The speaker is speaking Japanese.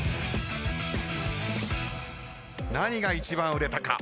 何が一番売れたか。